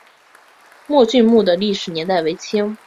吴郡墓的历史年代为清。